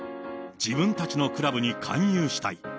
自分たちのクラブに勧誘したい。